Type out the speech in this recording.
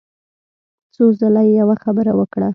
څو ځله يې يوه خبره وکړه.